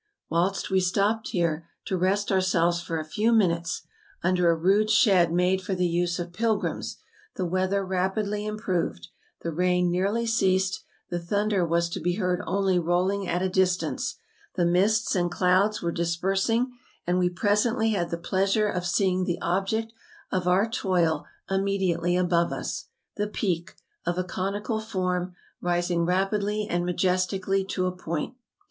VTiilst we stopped here to rest ourselves for a few minutes, under a rude shed made for the use of pilgrims, the w^eather rapidly improved; the rain nearly ceased, the thunder was to be heard only rolling at a distance, the mists and clouds were dis¬ persing, and we presently had the pleasure of seeing the object of our toil immediately above us, the Peak, of a conical form, rising rapidly and majesti¬ cally to a point.